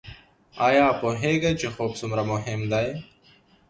ایا پوهیږئ چې خوب څومره مهم دی؟